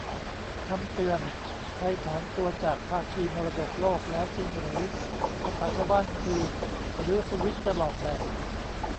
คำเตือน : ไทยถอนตัวจากภาคีมรดกโลกแล้วจริงหรือ ? ภาษาชาวบ้านคือ "หรือสุวิทย์จะหลอกแดก ?"